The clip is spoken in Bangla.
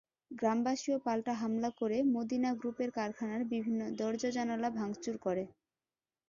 গ্রামবাসীও পাল্টা হামলা করে মদিনা গ্রুপের কারখানার বিভিন্ন দরজা-জানালা ভাঙচুর করে।